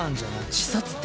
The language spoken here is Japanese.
自殺って事！？